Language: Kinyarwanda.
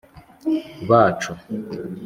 bacu